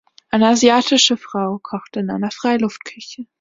Eine asiatische Frau kocht in einer Freiluftküche.